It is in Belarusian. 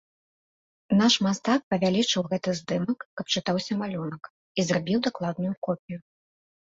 Наш мастак павялічыў гэты здымак, каб чытаўся малюнак, і зрабіў дакладную копію.